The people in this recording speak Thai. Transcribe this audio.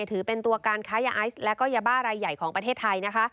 ถือเป็นตัวการค้ายาและก็ยาบ้ารายใหญ่ของประเทศไทย